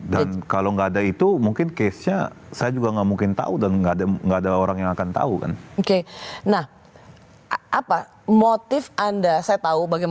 dan kalau gak ada itu mungkin case nya saya juga gak mungkin tambahin